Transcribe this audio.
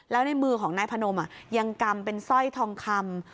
แล้วในมือของนายพนมยังกำเป็นสร้อยทองคำ